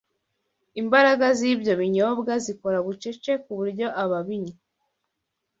Imbaraga z’ibyo binyobwa zikora bucece ku buryo ababinywa